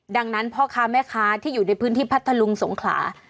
ดังนั้นพ่อค้าแม่ค้าที่อยู่ในพื้นที่พัทธลุงสงขลา